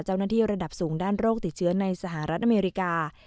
เจ้าหน้าที่ระดับสูงด้านโรคติดเชื้อในสหรัฐอเมริกา